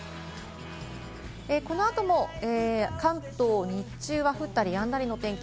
この後も関東、日中は降ったりやんだりの天気。